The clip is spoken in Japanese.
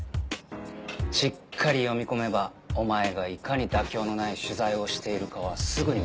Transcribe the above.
しっかり読み込めばお前がいかに妥協のない取材をしているかはすぐに分かる。